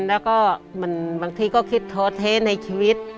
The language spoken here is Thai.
แล้วก็บางทีก็คิดท้อเทในชีวิต